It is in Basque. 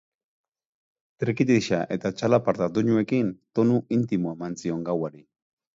Trikitixa eta txalaparta doinuekin, tonu intimoa eman zion gauari.